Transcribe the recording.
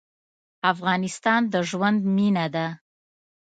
افغانستان د ژوند مېنه ده.